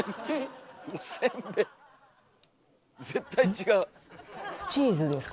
絶対違う。